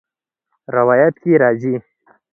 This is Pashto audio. روايت کي راځي :